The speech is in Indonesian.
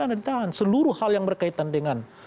anda ditahan seluruh hal yang berkaitan dengan